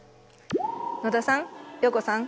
野田さん陽子さん